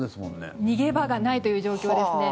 逃げ場がないという状況ですね。